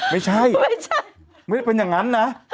ไม่ใช่ไม่ได้เป็นอย่างนั้นนะ